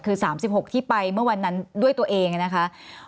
คือ๓๖ที่ไปเมื่อวันนั้นด้วยตัวเองนะคะ